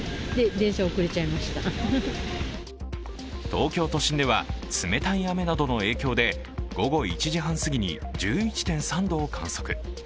東京都心では、冷たい雨などの影響で午後１時半すぎに１１．３度を観測。